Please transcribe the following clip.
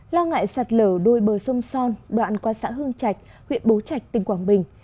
lo ngại sạt lở đuôi bờ sông son đoạn qua xã hương trạch huyện bố trạch tỉnh quảng bình